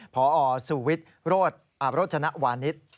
พสวิทธิ์โรธอาบโรธจนะวานิท